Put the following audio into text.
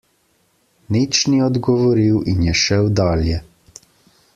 Nič ni odgovoril in je šel dalje.